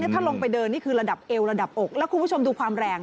ถ้าลงไปเดินนี่คือระดับเอวระดับอกแล้วคุณผู้ชมดูความแรง